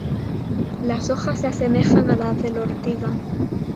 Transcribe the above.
Las hojas se asemejan a las de la ortiga.